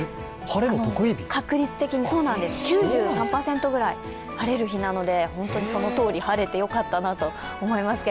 確率的に９３％ぐらい晴れる日なので本当にそのとおり晴れてよかったなと思いますが、